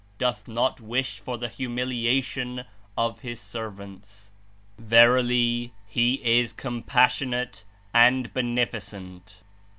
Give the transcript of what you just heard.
— doth not wish for the humiliation of His servants. Verily, He is Compassionate and Beneficent